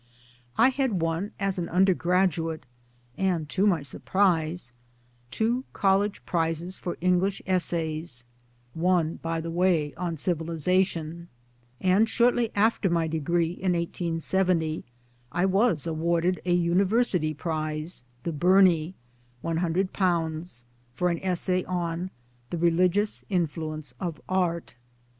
I had won as an under graduate and to my surprise two College prizes for English Essays (one, by the way, on Civilization) ; and shortly after my degree, in 1870, I was awarded a university prize (the Burney), 100, for an essay, on " The Religious Influence of Art."